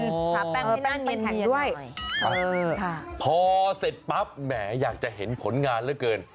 ทะแป้งให้นั่งเนียนด้วยพอเสร็จปั๊บแหมอยากจะเห็นผลงานแล้วเกิน